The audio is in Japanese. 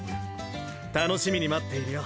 楽しみに待っているよ。